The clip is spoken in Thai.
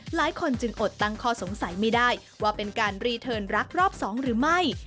หลายคนจึงอดตั้งข้อสงสัยไม่ได้ว่าเป็นการรีเทิร์นรักรอบ๒หรือไม่